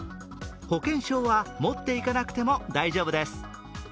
保険証は持っていかなくても大丈夫です。